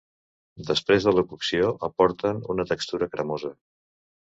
Després de la cocció aporten una textura cremosa.